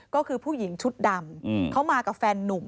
ก็คือผู้หญิงชุดดำเขามากับแฟนนุ่ม